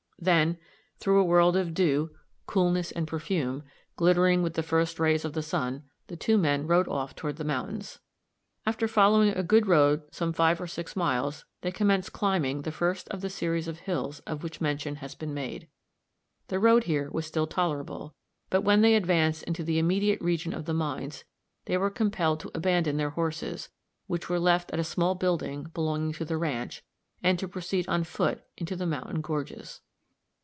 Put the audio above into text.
Then, through a world of dew, coolness and perfume, glittering with the first rays of the sun, the two men rode off toward the mountains. After following a good road some five or six miles, they commenced climbing the first of the series of hills of which mention has been made. The road here was still tolerable; but when they advanced into the immediate region of the mines they were compelled to abandon their horses, which were left at a small building, belonging to the ranch, and to proceed on foot into the mountain gorges.